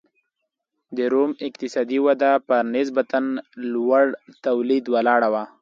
د روم اقتصادي وده پر نسبتا لوړ تولید ولاړه وه.